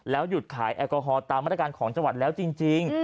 หยุดขายแอลกอฮอลตามมาตรการของจังหวัดแล้วจริง